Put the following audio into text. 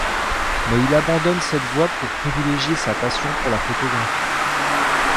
Mais il abandonne cette voie pour privilégier sa passion pour la photographie.